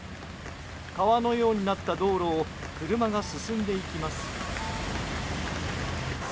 川のようになった道路を車が進んでいきます。